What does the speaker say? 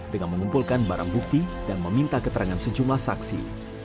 dengan mengumpulkan barang bukti dan meminta keterangan sejumlah saksi